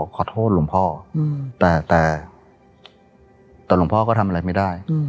ขอโทษหลวงพ่อแต่หลวงพ่อก็ทำอะไรไม่ได้